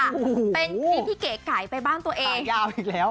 เป็นคลิปที่เก๋ไก่ไปบ้านตัวเอง